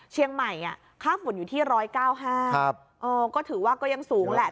เชียงใหม่อ่ะค่าฝุ่นอยู่ที่ร้อยเก้าห้าครับอ๋อก็ถือว่าก็ยังสูงแหล่ะ